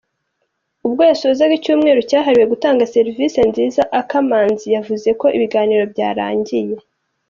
Ubwo yasozaga icyumweru cyahariwe gutanga serivisi nziza, Akamanzi, yavuze ko ibiganiro byarangiye.